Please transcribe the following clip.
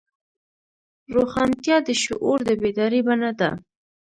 روښانتیا د شعور د بیدارۍ بڼه ده.